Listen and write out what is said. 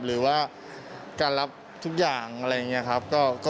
หรือว่าการรับทุกอย่างอะไรอย่างนี้ครับ